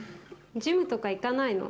ジムとか行かないの？